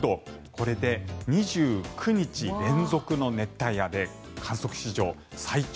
これで２９日連続の熱帯夜で観測史上最長